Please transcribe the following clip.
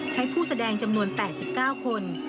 ผู้แสดงจำนวน๘๙คน